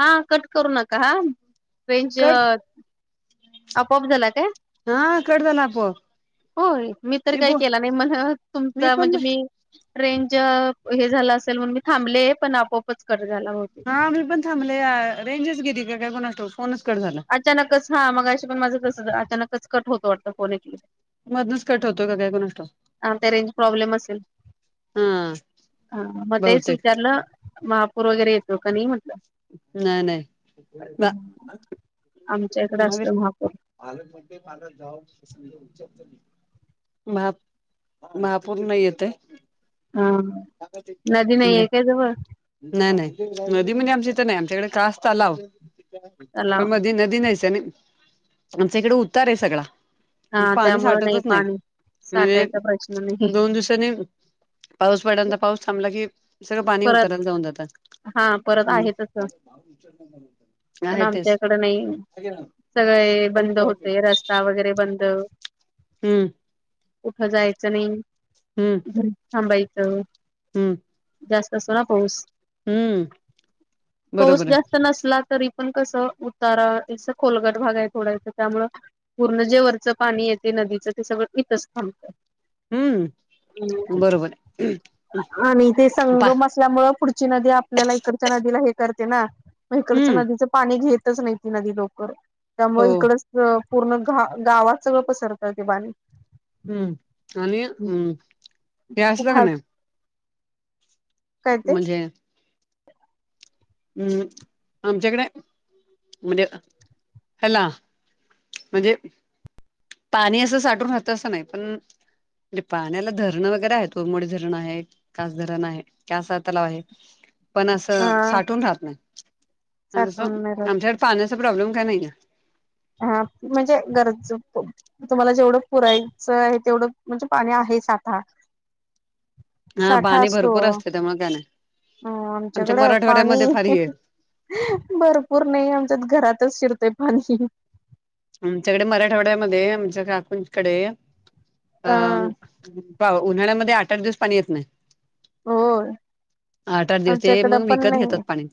हा कट करू नका हा रेंज कट आपोआप झाला काय? हा कट झाला आपोआप होय मी तर काही केला नाही म्हण तुमचा म्हणजे मी रेंज हे झाला असेल म्हण मी थांबले पण आपोआपच कट झाला होत. हा मी पण थांबले रेंजेच गेली का काय कुणास ठाऊक फोन च् कट झाला. अचानकच हा मग अ पण माझं कस अचानकच कट होतं वाटतं फोन मधूनच कट होतो का काय कोणास ठाऊक. हा ते रेंज प्रॉब्लेम असेल हा हा मग तेच बहुतेक विचारलं महापूर वगैरे येतो का नाही म्हण नाही नाही आमच्या इकडे नाही असतो महापूर आले म्हणे मला जाव [unintelligible] महापूर नाही येत ये. हा नदी नाही म्हणजे आहे काय जवळ नाही नाही नदी म्हणजे आमच्या इथं नाही आमच्याकडे कास, तलाव तलाव पण मधी नदी नाहीच आणि आमच्या इकडे उतार आहे हा सगळा पाणी त्यामुळं साठतच नाही पाणी म्हणजे साठायचा प्रश्न नाही दोन दिवसाांनी वड पाऊस थांबला की सगळं पाणी परत उतरत वाहून जात हा परत हम् आहे तसं पण आमच्या इकड नाही सगळे बंद होतय रस्ते रस्ता वगैरे बंद. हम् कुठं जायचं नाही हम्म घरी थांबायचं. हम्म जास्त असतो ना पाऊस हम्म पाऊस बरोबर आहे जास्त नसला तरी पण कसं उतारां खोलगट भाग आहे थोडा त्यामुळं पूर्ण जे वरचं पाणी येते नदीचं ते सगळं इथंच थांबत. हम्म बरोबर आहे आणि ते पा संगम असल्यामूळ पुढची नदी आपल्याला इकडच्या नदीला हे करते ना मग इकडच हम्म नदीचं पाणी घेतच नाही ती नदी लवकर हो त्यामुळे इकडच पूर्ण घा गावात सगळं पसरतय ते पाणी हम्म आणि हम् हे खूप असल का हाल नाही काय ते म्हणजे आम् आमच्याकडे म्हणजे ह्याला म्हणजे पाणी असं साठून राहतं असं नाही पणे पाण्याला धरणं वगैरे आहे त उरमडी धरणं आहे. कास धरण आहे कास तलाव आहे. पण असं अ साठून राहत नाही साठून नाही राहत आमच्याकडे पाण्याचा प्रॉब्लेम काय नाहीय. हा म्हणजे गरज तुम्हाला जेवढं पुरायचं आहे तेवढं म्हणजे पाणी आहे साठा हा पाणी भरपूर असते त्यामुळे काय नाही. ह आमच्या आमच्याकडं पाणी मराठवाड्यामध्ये फारी आहे हहह भरपूर नाही आमच्यात घरातच शिरतंय पाणी. आमच्याकडे मराठवाड्यामध्ये आमच्या काकूंकडे अ अ पा उन्हाळ्यामध्ये आठ आठ दिवस पाणी येत नाही. हो आठ आठ दिवस ते आमच्याकडं मग पण विकत नाही घेतात पाणी.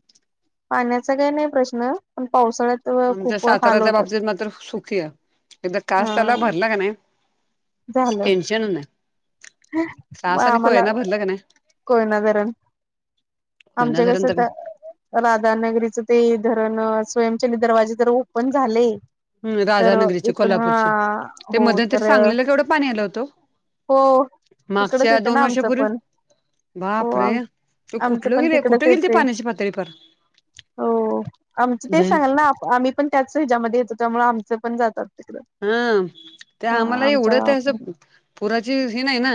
पाण्याचा काय नाही प्रश्न पण पावसाळ्यात आमच्या खूप हाल साताराच्या होतात बाबतीत मात्र सुखी आहे एकदा कास त्याला हा भरला का नाही झालं. मग सास आणि खय आम्हाला ना भरलं क नाही. कोयना धरण होना आमच्या कसं रंत का? राधानगरीचं ते धरण स्वयंचल दरवाजे तर ओपन झाले. का तर राधानगरीचे इकडं कोल्हापूरचे ते हो मध्यंतरी तर सांगलीला केवढं पाणी आलं होतं ओ. हो. तिकडच मागच्या येते दोन ना आमचं वर्षापूर्वी पण हो बाप रे तू आमचं कुठलं पण गेले तिकडच कुठं गेली ते येते पाण्याची पातळीप हो आमचं तेच सांगल ना आम्ही पण त्याच ह्याच्यामध्ये येतो त्यामु आमच पण जातात. तिकड हा ते आम्हाला आमच्या एवढत आहे असं. पुराची ही नाही ना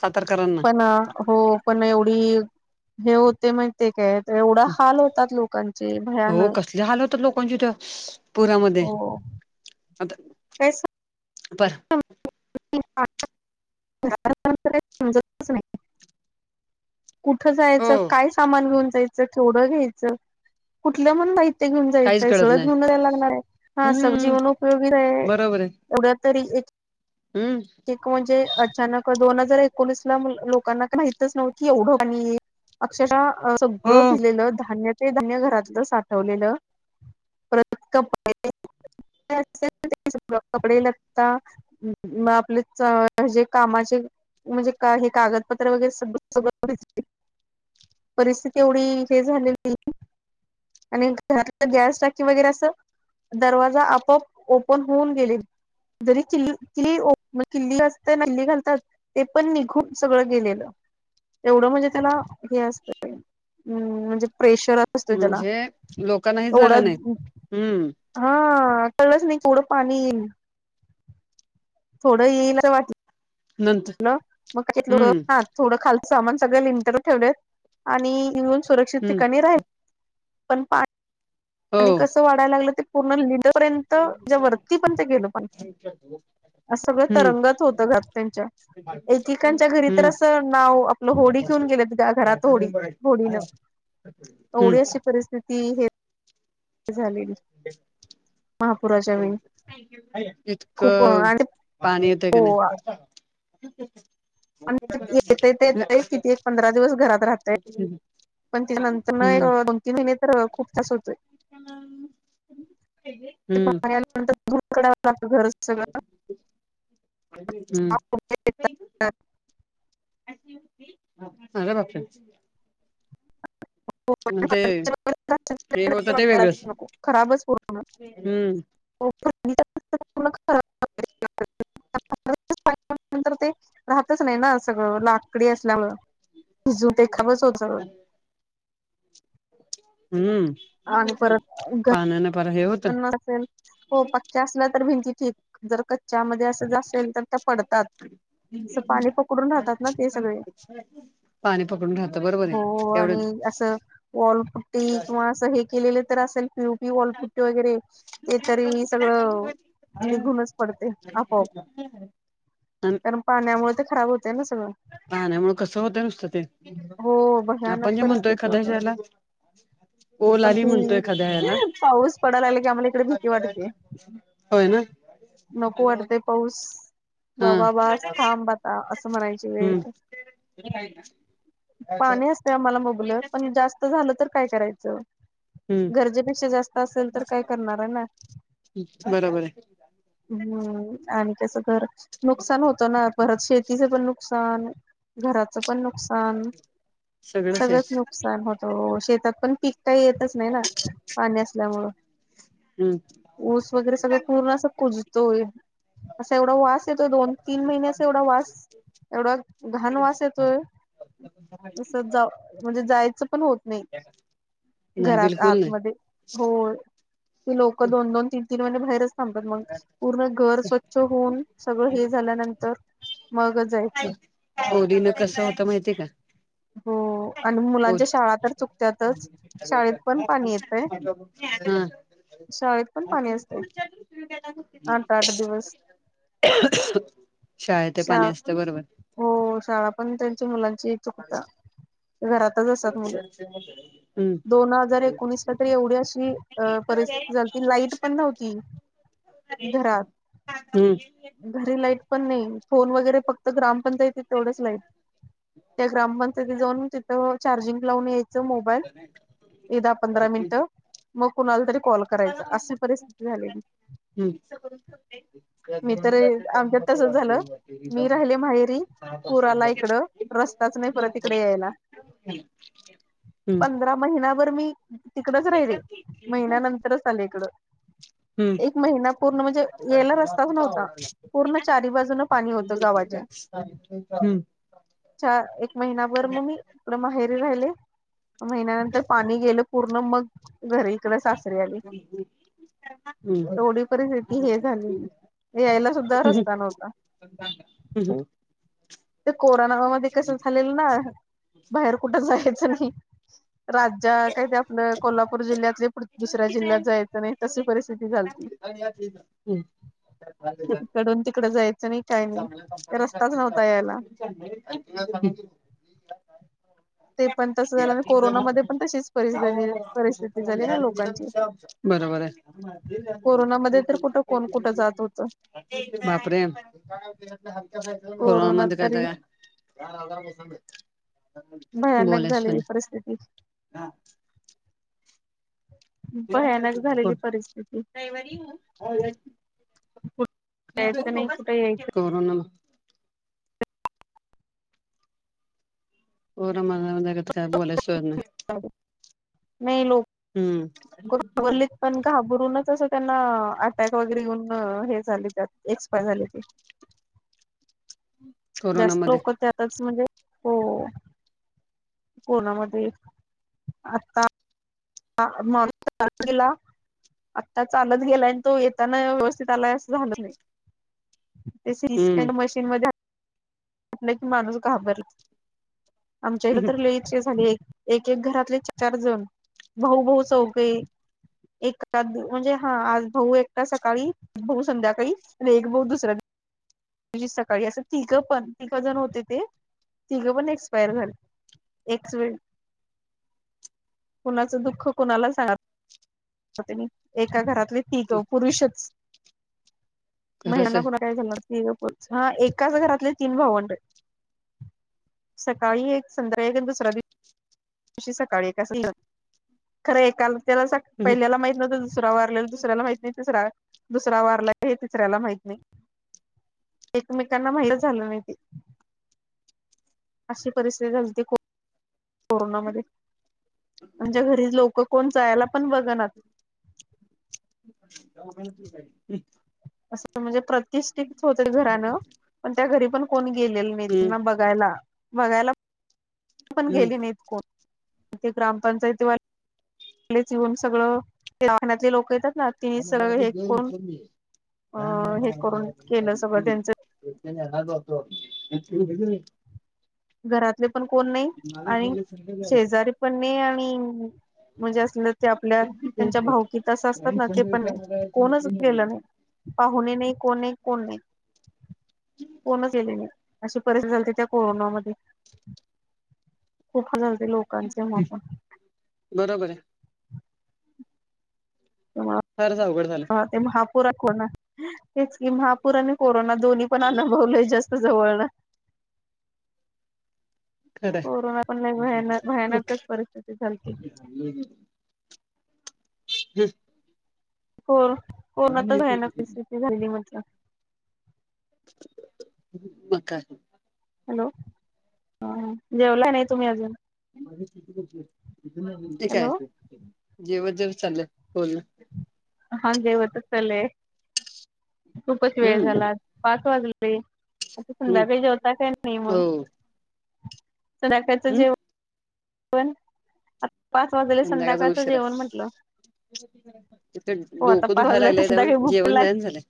सातारकरांना ना हो पण एवढी हे होते म्हण. ते काय एवढा हाल होतात लोकांचे भयानक झाल होत लोकांच्या त्या पुरामध्ये आता असस. पर समजत नाही. कुठं हो जायचं काय सामान घेऊन जायचं. डं घ्यायचं कुठलं माहि ते घेऊन काहीच जायचंय कळत सुळ नाही घेऊन जायला लागणार आहे हा हम्म सगजीवनपयोगी आहे. बरोबर आहे एवढ्या तरी हम्म. म्हणजे अचानक दोन हजार एकोणीस ला लोकांना माहितच नव्ह की एवढं. अक्षरः सगळं हो भिलेलं धान्य ते धन्य घरातलं साठवलेलं प्रकप कपडे लागता. आपले जे कामाचे म्हणजे का हे कागदपत्र वगैरे सग सगळं. परिस्थिती एवढी हे झालेली. आणि घर गॅस टाकी वगैरे असं. दरवाजा आपआप ओपन होऊन गेले जरी किली किलीओ मग किल्ली असत किल्ली घालतात ते पण निघून सगळं गेलेलं. एवढं म्हणजे त्याला हे असतं् म्हणजे प्रेशर असत त्याला म्हणजे लोकांना हे एवढा झालं नाही हम्म हा कळच नाही डं पाणी येईल. थोडं येईल असं वाट. नंतर मग हम्म हा थोडं खाल सामान सगळ लिंटर ठेवलेत आणि हम्म ठिका रा पण हो क वा लाग पर्ण पर्यंत ज्या वरती पण ते गेल पण अस सगळं हम्म तरंगात होत घात त्यांच्या एकेकांच्या घरी तर हम्म असं नाव आपलं होडी घेऊन गेलेत घरात होडी होडीनं हम्म एवढी अशी परिस्थिती हे. झाली महापुराच्या वेळी खूप इतकं आणि पाणी येतंय का हो नाही. ह ह. येते ते येत किती एक पंधरा दिवस घरात राहतय. पण त्याच्या नंतर हम्म ना दोन तीन महिने तर खूप तास होतोय. [unintelligible] पानंतरवं लागत घर सगळं हम्म. ह का भापश आणि ते हे होतं ते वेगळच नको हम्म [unintelligible] नर ते राहतच नाही ना सगळं लाकडी असल्यामु तिजू ते खबरच होत. हम्म आणि आणि परत इका पर हे होत. प असल्या तर भिंती ठी च्यामध्ये असं असल तर त्या पडतात. अस पाणी पकडून राहतात ना ते सगळे पाणी पकडून राहतं बरोबर हो आहे आणि एवढं असं वॉलपुट्टी किंवा असं हे केलेले तर असेल पि पी वॉलपुट्टी वगैरे ते तरी सगळं निघूनच पडते आपोआप ह कारण पाण्यामुळे ते खराब होते ना सगळं पाहण्यामु कसं होतं नुसतं ते हो आपण भयानक जे म्हणतोय परिस्थिती एखाद्या होते शिहाला पण ती ह्याला पाऊस पड आम्हाला इडे भीती वाटते होय ना नको वाटते. पाऊस हा बाबा थांब आता असं म्हणायची वेळ येते. ना [unintelligible] पाणी असते आम्हाला मुबलक पण जास्त झालं तर काय करायचं? हम्म गरजेपेक्षा जास्त असेल तर काय करणार आहे ना? बरोबर आहे. हम्म आणि त्याचं घर नुकसान होतं ना? परत शेतीच पण नुकसान घराच पण नुकसान सगळंच नुक नुकसान होत शेतात पण पीक काही येतच नाही ना पाणी असल्यामुळं हम्म ऊस वगैरे सगळ पूर्ण असं कुजतोय असा एवढा वास येतोय दोन तीन महिन्याचा एवढा वास एवढा घण वास येतोय तस जा म्हणजे जायचं पण होत नाही. नाही घरात बिलकुल आतमध्ये हो ती लोक दोन, दोन, तीन, तीन म्हणजे बाहेरच त मग पूर्ण घर स्वच्छ होऊन सगळं हे झाल्यानंतर मगच आहे. गोरीन कस होता माहितीय का? हो आणि मुलांच्या ओली शाळा तर चुकत्यातच शाळेत पण पाणी येतय शाळेत पण पाणी असते [inaudible] आठ आठ दिवस [inaudible] शाळेत ते शा पाणी असतं बरोबर हो शाळा पण त्यांच्या मुलांची चुकता. घरातच असात मुले हम्म दोन हजार एकोणीसला तरी एवढी अशी परिस् लाईट पण नव्हती घरात. हम्म घरी लाईट पण नाही फोन वगैरे फक्त ग्रामपंचायतीत तेवढंच लाईट. त्या ग्रामपंचायती जाऊन तिथं चार्जिंग लावून यायचं. दहा-पंधरा मिनिटं मग कोणाला तरी कॉल करायच अशी परिस्थिती झालेली. हम्म मी तर आमच्यात तसच झालं मी राहिले माहेरी पुराला इकडं. रस्ताच नाही परत इकडे यायला पंधरा महिनाभर मी तिकडच राहि रे महिन्यानंतरच आले इकडं. एक महिना पूर्ण म्हणजे येला रस्त व्ह पूर्ण चारी बाजून पाणी होत गावाच्या एक महिना्याभर मम्मी तिकडं माहेरी राहिले. म महिन्यानंतर पाणी गेलं पूर्ण मग घरी इकड सासरी आली. एवढी काय परिस्थिती हे म्हणतंय झाली यायला मं सुद्धा रस्ता नव्हता [unintelligible] [unintelligible] ते कोरोना मा मध्ये कस झालेलं ना बाहेर कुठं जायचं नाही. रात ज्या काय ते आपलं कोल्हापूर जिल्ह्यातले दुसऱ्या जिल्ह्यात जायचं नाय तशी परिस्थिती झालती. [unintelligible] हम् इकडून तिकड जायचं नाही काय नाही रस्ताच नव्हता यायला. [unintelligible] ते पण तसं झालं अनं कोरोनामध्ये पण तशीच परिस झाली परिथिती झाली ना लोकांची आहे कोरोनामध्ये तर कुठ कोण कुठं जात होतं. बाप रे! कोरोनात कोरोनामध्ये काय त तरी या भयानक बोलास झालेली परिस्थिती नाय भयानक झालेली कोणं परिस्थिती रयवारी हो जायचं नाही कुठे यायचं कोरोना कोरमध तर काय बोलायचं सोय नाय. नाही लोक हम्म [unintelligible] लीत पण घाबरूनच असं त्यांना अटॅक वगैरे येऊन हे झाले त्यात एक्सपायर झाले ते हम् जास्त ओकतय आताच म्हणजे हो कोणामध्ये आता [unintelligible] आत्ता चालत गेलाय आणि तो येताना व्यवस्थित आलाय असं झालं नाही. तशी ई हम्म स्कॅन मशीन मध्ये हा लईच माणूस घाबरला आमच्या इथ तर लईच झाले एक एक एक घरातले चार जण भाऊ भाऊ चौगे एक घरात म्हणजे हा आज भाऊ एकटा सकाळी भाऊ संध्याकाळी एक भाऊ दुसऱ्या दिव शी सकाळी असं तिघं पण तिघं जण होते ते तिघं पण एक्सपायर झाले. एकच वेळी कुणाचं दुःख कुणाला सांग तिनी एका घरात आणि तिघ पुरुषच खरंच महिलांना आहे कोणा काही झाल नाय हा एकाच घरातले तीन भावंड सकाळी एक संध्याकाळी एक आणि दुसरा दि दिवशी सकाळी एक अस खर एकाला त्याला हम्म पहिल्याला माहित मं त दुसरा वारलेल दुसऱ्याला माहित नाही तिसरा दुसरा वारला हे तिसऱ्याला माहित नाही. एकमेकांना माहितचं झालं नाही ते अशी परिस्थिती झालीती को कोरोनामध्ये म्हणच्या घरीच लोक कोण जायला पण बघ नात चौघांची जाईल हं असं म्हणजे प्रतिष्ठित होते घरानं पण त्या घरी पण कोण गेलेलं नाही हम्म त्यांना बघा बघायला बघायला पण गेली नाही कोणं मं ते ग्रामपंचायती वालीच येईन सगळं दवाखाण्यातळी लोक येतात. ना [unintelligible] तिने सगळं हे कोण अ हे करून केलं सगळं त्यांच तेच नेणार होतो तेच की घरातले पण कोण नाही आणि शेजारी पण नाही आणि म्हणजे असलं ते आपल्या त्यांच्या भाऊकी त असं असतात ना ते पण कोणच गेलं नाही. पाहुणे नाही कोण नाही कोण नाहीत कोणच केले नाही. अशी परिस्थिती चालते त्या कोरोनामध्ये खूप हाल झालते लोकांचे हा पण बरोबर आहे. ह [inaudible] फारच अवघड झालं. महापुर कोना तेचकी महापुर आणि कोरोना दोन्ही पण अनुभवले जास्त जवळन कड कोरोना पण लय भयान [inaudible] भयानकच परिस्थिती झालती कोण कोण आ [unintelligible] तर घयान स्थिती झाली मज्र म काय. हॅलो हा जेवलाय नाही तुम्ही अजून ते काय हॅलो जेवत जेवत चाललं बोलण. हा जेवत चाले खूपच वेळ हम्म झाला पाच वाजले. आता हम्म संध्याकाळी जेवता काय नाही हो मग संध्याकाळीच हम् जेव पण आता पाच वाजेले संध्याकाळचं जेवण म्हंटलं तथ डोकं दुखा वाजल्या तर लागलेय त्या संध्याकाळी भूक तर जेवण जायन लागतेच झालं.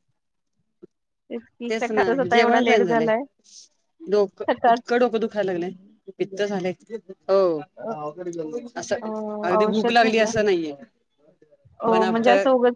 की तेच ना सकाळचाच आता एवढा जेवण लेट जाईन झालंय. झालाय डोकं सकाळ इतकं डोकं दुखायला लागलंय पित्त झाले हो अस अ अगदी भूक औषध लागली घेता असं नाहीये पण म्हणजे आता असं उगच